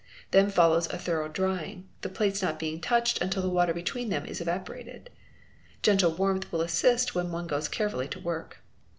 Then follows a thorough drying, the plates not being touched until the water between them is evaporated. Gentle warmth will assist when one goes" carefully to work.